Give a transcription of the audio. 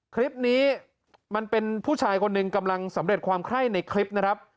คลิปนี้มันเป็นผู้ชายคนหนึ่งกำลังสำเร็จความไข้ในคลิปนะครับ